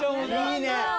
いいね！